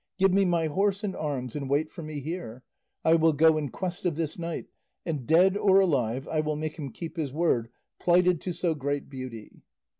Give me my horse and arms, and wait for me here; I will go in quest of this knight, and dead or alive I will make him keep his word plighted to so great beauty."